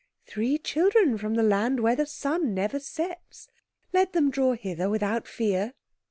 "Three children from the land where the sun never sets! Let them draw hither without fear."